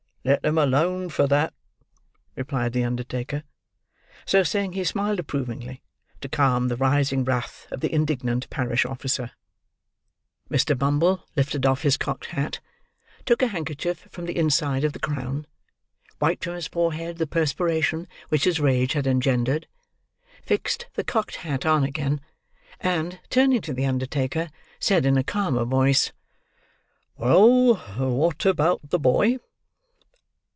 "Let 'em alone for that," replied the undertaker. So saying, he smiled, approvingly: to calm the rising wrath of the indignant parish officer. Mr Bumble lifted off his cocked hat; took a handkerchief from the inside of the crown; wiped from his forehead the perspiration which his rage had engendered; fixed the cocked hat on again; and, turning to the undertaker, said in a calmer voice: "Well; what about the boy?"